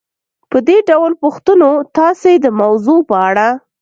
په دې ډول پوښتنو تاسې د موضوع په اړه